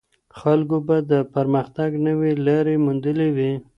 خلګو به د پرمختګ نوې لارې موندلې وي.